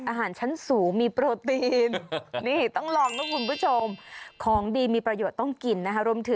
อาหารชั้นสูงมีโปรตีนนี่ต้องลองนะคุณผู้ชมของดีมีประโยชน์ต้องกินนะคะ